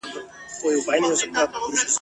زه پانوس غوندي بلېږم دا تیارې رڼا کومه ..